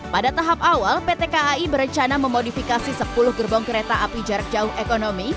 pada tahap awal pt kai berencana memodifikasi sepuluh gerbong kereta api jarak jauh ekonomi